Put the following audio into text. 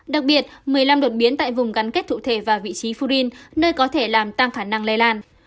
đặc biệt một mươi năm đột biến tại vùng gắn kết cụ thể và vị trí furin nơi có thể làm tăng khả năng lây lan